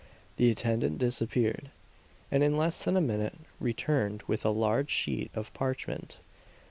The attendant disappeared, and in less than a minute returned with a large sheet of parchment.